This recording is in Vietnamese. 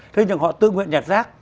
thế nhưng họ tự nguyện nhặt rác